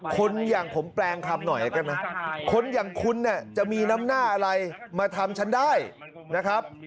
คนอย่างผมแปลงคำหน่อยแล้วกันนะคนอย่างคุณเนี่ยจะมีน้ำหน้าอะไรมาทำฉันได้นะครับ